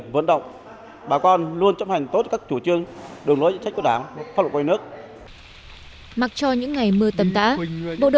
bộ đội biên phòng của đồn biên giới